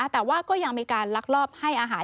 แต่ว่าก็ยังมีการลักลอบให้อาหาร